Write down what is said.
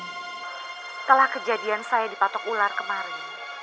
setelah kejadian saya dipatok ular kemarin